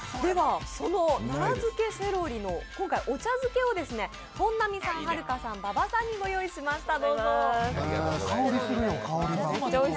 奈良漬セロリの今回はお茶漬けを、本並さん、はるかさん馬場さんにご用意しました。